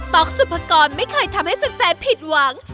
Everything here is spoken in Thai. ๊อกสุภกรไม่เคยทำให้แฟนผิดหวัง